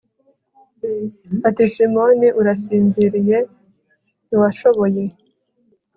ati simoni urasinziriye ntiwashoboye